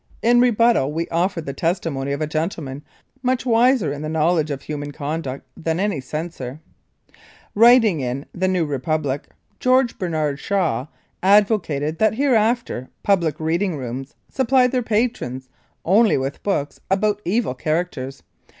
In rebuttal we offer the testimony of a gentleman much wiser in the knowledge of human conduct than any censor. Writing in "The New Republic," George Bernard Shaw advocated that hereafter public reading rooms supply their patrons only with books about evil characters.